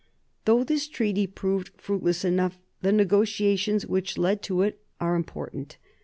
Though this treaty proved fruitless enough, the negotiations which led to it are important.